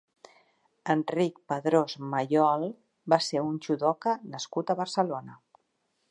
Enric Padrós Mayol va ser un judoka nascut a Barcelona.